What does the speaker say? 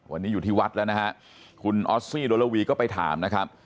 วันนี้อยู่ที่วัดแล้วนะฮะคุณออสซี่โดรวีก็ไปถามนะครับ